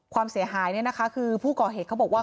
ความเสียหายเนี่ยนะคะคือผู้ก่อเหตุเขาบอกว่า